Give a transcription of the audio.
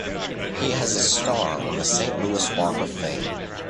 He has a star on the Saint Louis Walk of Fame.